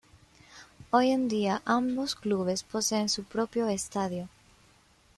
Hoy en día ambos clubes poseen su propio estadio.